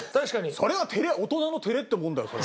それは照れ大人の照れってもんだよそれ。